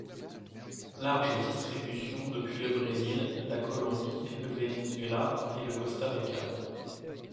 Large distribution depuis le Brésil, la Colombie, le Venezuela et le Costa Rica.